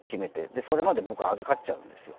それまで僕預かっちゃうんですよ。